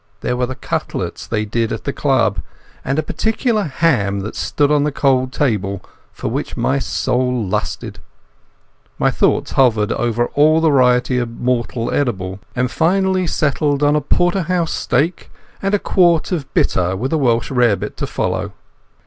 There were the cutlets they did at the club, and a particular ham that stood on the cold table, for which my soul lusted. My thoughts hovered over all varieties of mortal edible, and finally settled on a porterhouse steak and a quart of bitter with a welsh rabbit to follow.